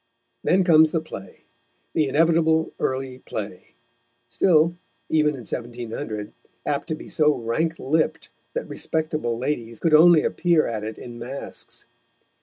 Then comes the play, the inevitable early play, still, even in 1700, apt to be so rank lipped that respectable ladies could only appear at it in masks.